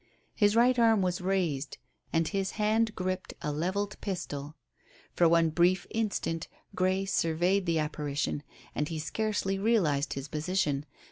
His right arm was raised and his hand gripped a levelled pistol. For one brief instant Grey surveyed the apparition, and he scarcely realized his position.